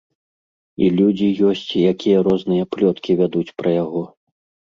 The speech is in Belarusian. І людзі ёсць, якія розныя плёткі вядуць пра яго.